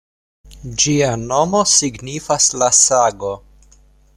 Ĝia nomo signifas “La Sago”.